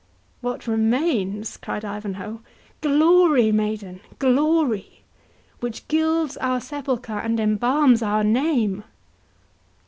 "What remains?" cried Ivanhoe; "Glory, maiden, glory! which gilds our sepulchre and embalms our name."